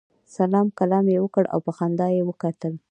سلام کلام یې وکړ او په خندا یې وکتل.